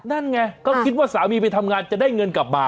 นั่นไงก็คิดว่าสามีไปทำงานจะได้เงินกลับมา